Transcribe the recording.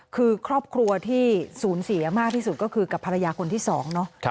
คือครอบครัวที่สูญเสียมากที่สุดก็คือกับภรรยาคนที่๒เนาะ